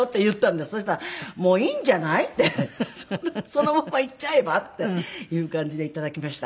「そのまんまいっちゃえば」っていう感じで頂きました。